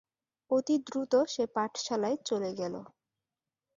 অতি দ্রুত সে পাঠশালায় চলে গেল।